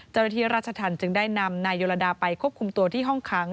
เจ้าหน้าที่ราชธรรมจึงได้นำนายโยลดาไปควบคุมตัวที่ห้องค้าง